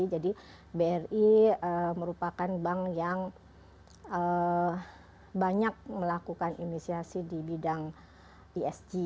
jadi bri merupakan bank yang banyak melakukan inisiasi di bidang isg